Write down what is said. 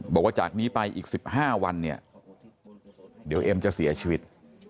บอกว่าจากนี้ไปอีก๑๕วันเนี่ยเดี๋ยวเอ็มจะเสียชีวิต